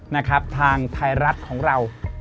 นะครับทางไทยรัฐของเรา